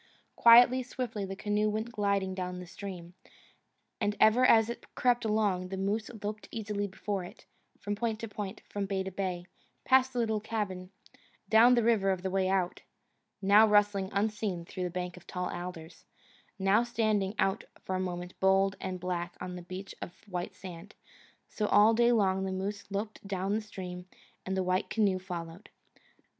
Quietly, swiftly, the canoe went gliding down the stream; and ever as it crept along, the moose loped easily before it, from point to point, from bay to bay, past the little cabin, down the River of the Way Out, now rustling unseen through a bank of tall alders, now standing out for a moment bold and black on a beach of white sand so all day long the moose loped down the stream and the white canoe followed.